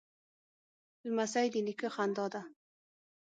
لمسی د نیکه خندا ده.